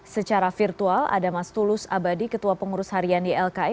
secara virtual ada mas tulus abadi ketua pengurus harian ylki